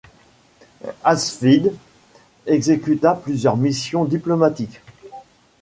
Hatzfeld exuta plusieurs missions diplomatiques.